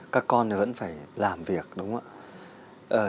các con vẫn phải làm việc đúng không ạ